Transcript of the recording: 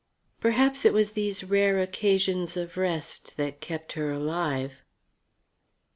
Perhaps it was these rare occasions of rest that kept her alive.